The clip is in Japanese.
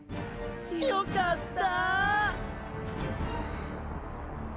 よかった。